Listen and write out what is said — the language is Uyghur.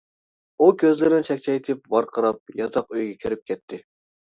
ئۇ كۆزلىرىنى چەكچەيتىپ ۋارقىراپ، ياتاق ئۆيگە كىرىپ كەتتى.